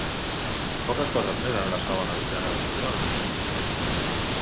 Poques coses més en la segona dotzena de juliol.